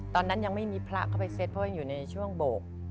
ตอนนั้นยังไม่มีพระเข้าไปเซ็ตเพราะยังอยู่ในช่วงโบก